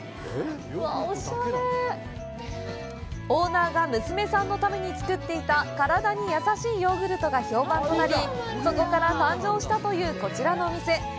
オーナーが娘さんのために作っていた体に優しいヨーグルトが評判となり、そこから誕生したというこちらのお店。